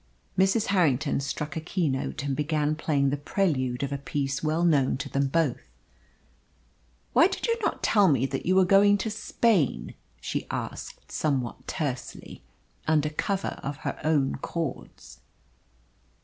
Mrs. Harrington struck a keynote and began playing the prelude of a piece well known to them both. "Why did you not tell me that you were going to Spain?" she asked somewhat tersely, under cover of her own chords.